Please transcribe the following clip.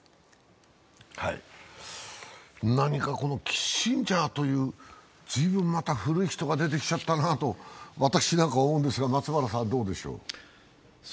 キッシンジャーという随分古い人が出てきちゃったなと思うんですが、松原さん、どうでしょう。